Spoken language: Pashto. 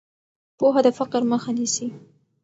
پوهه د فقر مخه نیسي.